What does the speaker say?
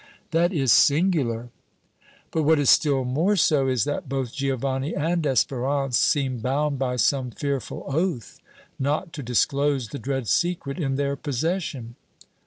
"That is singular." "But what is still more so is that both Giovanni and Espérance seem bound by some fearful oath not to disclose the dread secret in their possession."